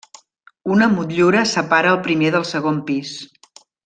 Una motllura separa el primer del segon pis.